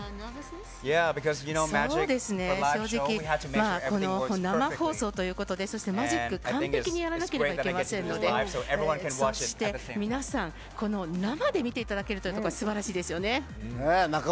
そうですね、正直生放送ということですしマジック、完璧にやらなければいけませんのでそして皆さん生で見ていただけるのは素晴らしいですね。